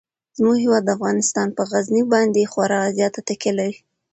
زموږ هیواد افغانستان په غزني باندې خورا زیاته تکیه لري.